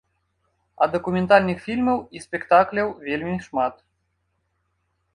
А дакументальных фільмаў і спектакляў вельмі шмат.